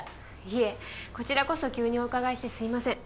いえこちらこそ急にお伺いしてすいません。